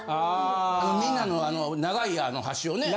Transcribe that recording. みんなの長い箸をね